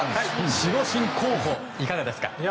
守護神候補いかがですか。